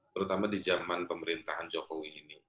terutama di zaman pemerintahan jokowi ini